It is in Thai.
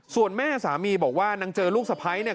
ส่วนแม่สามีบอกว่านางเจอลูกสะพ้ายเนี่ย